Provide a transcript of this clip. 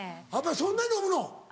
そんなに飲むの？